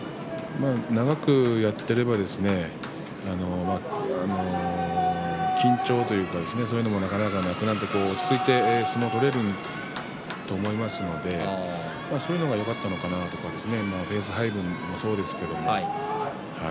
長くやっていれば緊張というかなかなかなくなって落ち着いて相撲が取れると思いますのでそういうのがよかったのかなとかペース配分もそうですけれども。